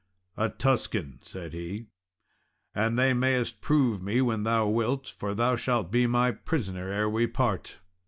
"A Tuscan," said he; "and they mayest prove me when thou wilt, for thou shalt be my prisoner ere we part."